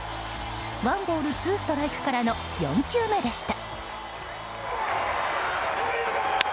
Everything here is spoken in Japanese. ワンボールツーストライクからの４球目でした。